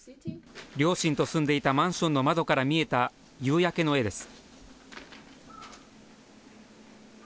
両親と住んでいたマンションの窓から見えた夕焼けの絵です。